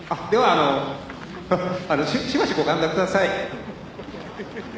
あのあのしばしご歓談ください」